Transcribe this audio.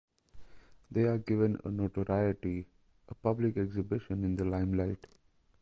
They are given a notoriety, a public exhibition in the limelight.